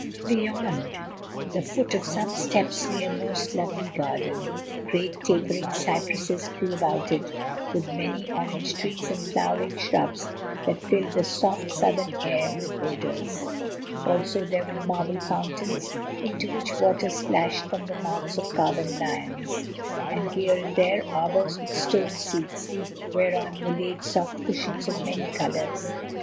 Beyond the foot of some steps lay a most lovely garden. Great, tapering cypresses grew about it, with many orange trees and flowering shrubs that filled the soft, southern air with odours. Also there were marble fountains into which water splashed from the mouths of carven lions, and here and there arbours with stone seats, whereon were laid soft cushions of many colours.